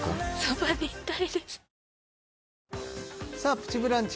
「プチブランチ」